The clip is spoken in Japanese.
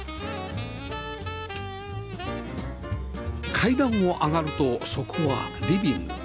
階段を上がるとそこはリビング